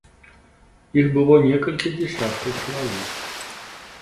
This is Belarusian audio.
Іх было некалькі дзясяткаў чалавек.